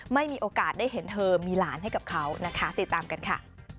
ไม่มีโอกาสได้เห็นเธอมีหลานให้กับเขานะคะติดตามกันค่ะ